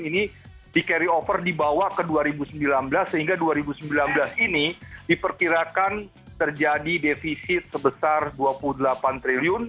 ini di carry over dibawa ke dua ribu sembilan belas sehingga dua ribu sembilan belas ini diperkirakan terjadi defisit sebesar rp dua puluh delapan triliun